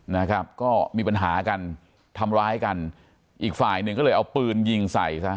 นะครับก็มีปัญหากันทำร้ายกันอีกฝ่ายหนึ่งก็เลยเอาปืนยิงใส่ซะ